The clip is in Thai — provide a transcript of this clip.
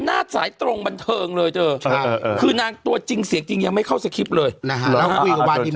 เอาไฟล์ชายก็คือตัวไมค์เองก็ขอยุติ